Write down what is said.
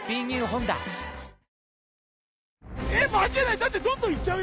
だってどんどん行っちゃうよ